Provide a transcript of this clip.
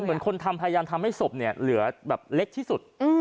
เหมือนคนพยายามทำให้ศพเหลือเล็กที่สุด